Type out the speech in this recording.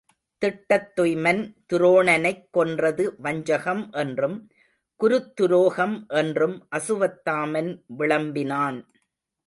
திட்டத்துய்மன் துரோணனைக் கொன்றது வஞ்சகம் என்றும், குருத்துரோகம் என்றும் அசுவத்தாமன் விளம்பினான்.